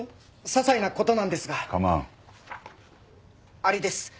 アリです。